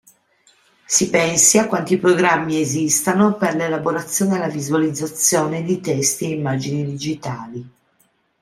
Si pensi a quanti programmi esistano per l'elaborazione e la visualizzazione di testi e immagini digitali.